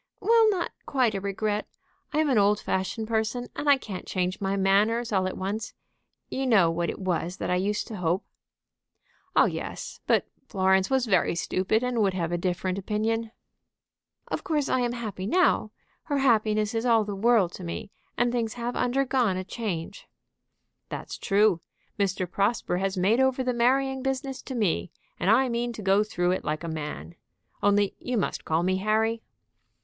"Well, not quite a regret. I am an old fashioned person, and I can't change my manners all at once. You know what it was that I used to hope." "Oh yes. But Florence was very stupid, and would have a different opinion." "Of course I am happy now. Her happiness is all the world to me. And things have undergone a change." "That's true. Mr. Prosper has made over the marrying business to me, and I mean to go through it like a man. Only you must call me Harry."